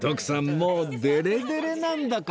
もうデレデレなんだから